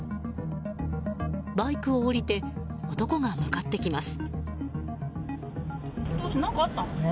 バイクを降りて男が向かってきます。